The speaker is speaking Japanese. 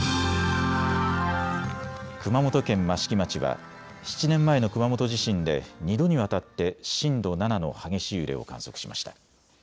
熊本県益城町は７年前の熊本地震で２度にわたって震度７の激しい揺れを観測しました。